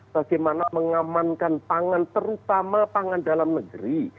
bagaimana mengamankan pangan terutama pangan dalam negeri